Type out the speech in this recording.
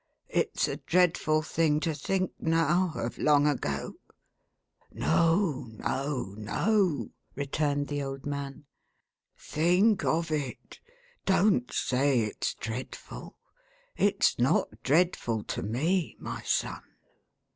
It's a dreadful thing to think now, of long ago !"" No, no, no !" returned the old man. " Think of it. Don't say it's dreadful. Ifs not dreadful to me, my son."